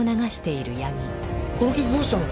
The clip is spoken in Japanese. この傷どうしたの！？